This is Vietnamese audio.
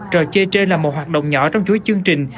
trò chơi trên là một hoạt động nhỏ trong chuỗi chương trình